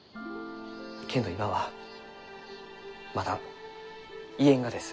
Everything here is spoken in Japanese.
けんど今はまだ言えんがです。